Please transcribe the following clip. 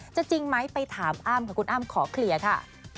จะจริงไหมไปถามอ้ามคุณอ้ามขอเคลียร์ค่ะ